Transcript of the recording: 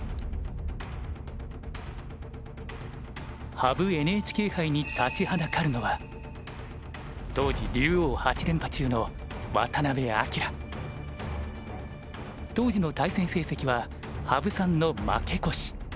羽生ＮＨＫ杯に立ちはだかるのは当時の対戦成績は羽生さんの負け越し。